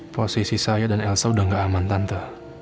posisi saya dan elsa udah gak aman tante